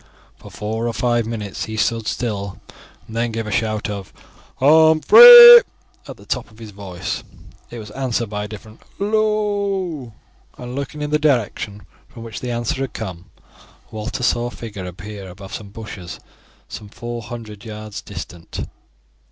For four or five minutes he stood still, and then gave a shout of "Humphrey" at the top of his voice. It was answered by a distant "Hallo!" and looking in the direction from which the answer had come, Walter saw a figure appear above some bushes some four hundred yards distant.